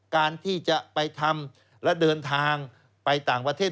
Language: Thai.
การที่จะไปทำและเดินทางไปต่างประเทศ